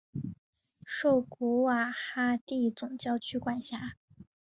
受古瓦哈蒂总教区管辖。